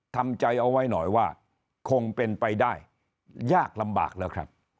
ทำใจเอาไว้หน่อยว่าคงเป็นไปได้ยากลำบากแล้วครับ